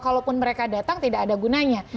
kalaupun mereka datang tidak ada gunanya